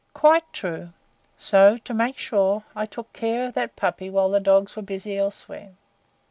"Quite true. So, to make sure, I took care of that puppy while the dogs were busy elsewhere."